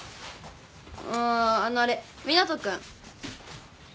あーあのあれ湊斗君。